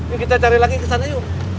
yuk kita cari lagi kesana yuk